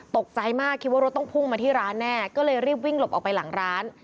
ตกใจมากคิดว่ารถต้องพุ่งมาที่ร้านแน่ก็เลยรีบวิ่งหลบออกไปหลังร้าน